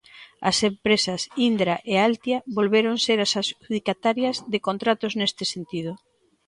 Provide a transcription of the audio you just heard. As empresas Indra e Altia volveron ser as adxudicatarias de contratos neste sentido.